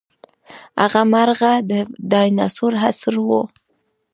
هغه مرغه د ډاینسور عصر وو.